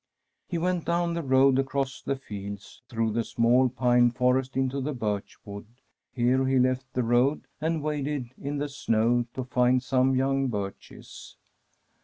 He went down the road, across the fields, through the small pine forest into the birch wood. Here he left the road, and waded in the snow to find some young birches.